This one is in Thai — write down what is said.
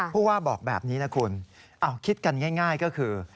เพราะว่าบอกแบบนี้นะคุณอ้าวคิดกันง่ายก็คือ